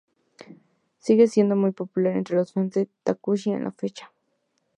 Sigue siendo muy popular entre los fans de tokusatsu a la fecha.